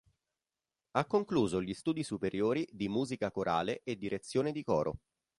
Ha concluso gli studi superiori di Musica Corale e Direzione di coro.